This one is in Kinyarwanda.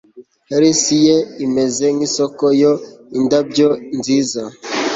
hers ye imeze nk'isoko, yoo indabyo nziza!